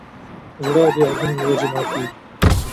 زړه د یادونو له وجې ماتېږي.